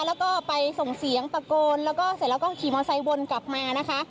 แล้วก็ไปส่งเสียงตะโกนแล้วก็เสร็จแล้วก็ขี่มอไซควนกลับมานะคะ